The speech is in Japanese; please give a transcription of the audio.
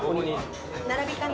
並びかな？